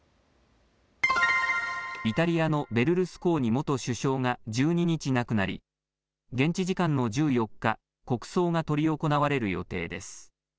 イタリアのベルルスコーニ元首相が１２日、亡くなり現地時間の１４日国葬が執り行われる予定です。